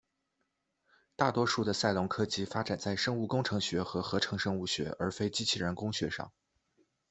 大多数的赛隆科技发展在生物工程学和合成生物学而非机器人工学上。